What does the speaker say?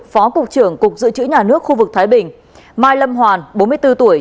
phó cục trưởng cục dự trữ nhà nước khu vực thái bình mai lâm hoàn bốn mươi bốn tuổi